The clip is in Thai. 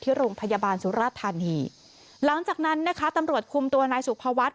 โรงพยาบาลสุราธานีหลังจากนั้นนะคะตำรวจคุมตัวนายสุภวัฒน